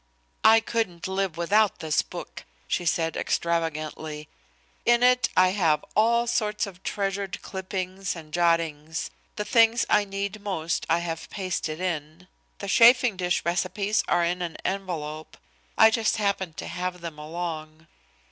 "I couldn't live without this book," she said extravagantly. "In it I have all sorts of treasured clippings and jottings. The things I need most I have pasted in. The chafing dish recipes are in an envelope. I just happened to have them along."